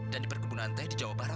dan di perkebunan teh di jawa barat pak